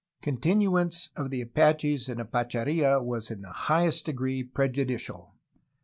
Continuance of the Apaches in Apacheria was in the highest degree prejudicial.